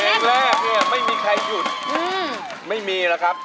เพลงแรกเนี่ยไม่มีใครหยุดไม่มีแล้วครับ